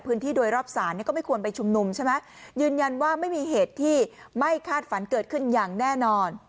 พื้นที่โดยรอบศาลเนี่ยก็ไม่ควรไปชุมนุมใช่ไหมยืนยันว่าไม่มีเหตุที่ไม่คาดฝันเกิดขึ้นอย่างแน่นอน